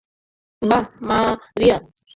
বাহ, মারিয়া!